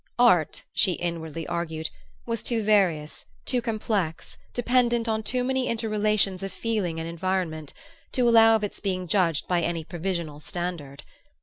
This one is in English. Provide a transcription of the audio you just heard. Art, she inwardly argued, was too various, too complex, dependent on too many inter relations of feeling and environment, to allow of its being judged by any provisional standard.